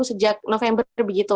sejak november begitu